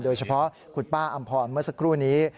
โดยเฉพาะคุณป้าอำพรเมื่อสักครู่นี้